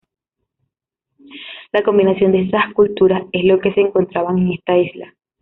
La combinación de estas culturas es lo que se encontrará en esta isla.